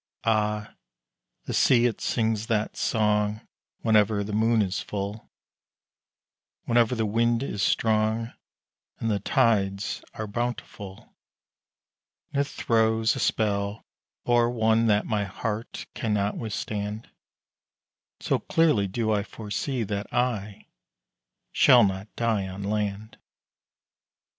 Ah, the sea it sings that song Whenever the moon is full Whenever the wind is strong, And the tides are bountiful And it throws a spell o'er one That my heart cannot withstand, So clearly do I foresee That I shall not die on land.